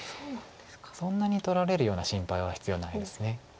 そんなに取られるような心配は必要ないです。